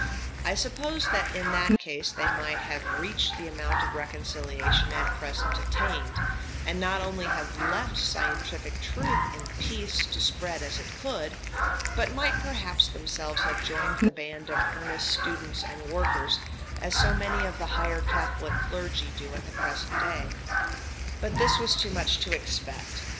I suppose that in that case they might have reached the amount of reconciliation at present attained, and not only have left scientific truth in peace to spread as it could, but might perhaps themselves have joined the band of earnest students and workers, as so many of the higher Catholic clergy do at the present day. But this was too much to expect.